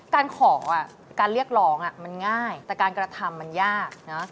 การขอการเรียกร้องมันง่ายแต่การกระทำมันยากนะ